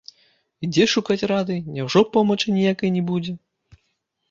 І дзе шукаць рады, няўжо помачы ніякай не будзе?